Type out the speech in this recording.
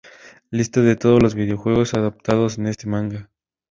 Lista de todos los videojuegos adaptados en este manga.